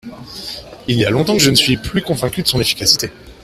Il y a longtemps que je ne suis plus convaincu de son efficacité.